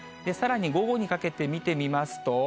さらに午後にかけて見てみますと。